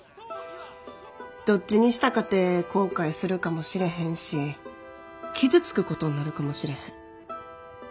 どっちにしたかて後悔するかもしれへんし傷つくことになるかもしれへん。